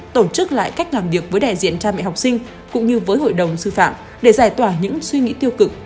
tổ chức lại cách làm việc với đại diện cha mẹ học sinh cũng như với hội đồng sư phạm để giải tỏa những suy nghĩ tiêu cực